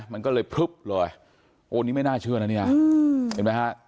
มันก็เลยผุบเลยโอ้นี่ไม่น่าเชื่อนะนี่อ่ะอื้มเห็นมั้ยฮะ